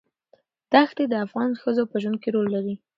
دښتې د افغان ښځو په ژوند کې رول لري.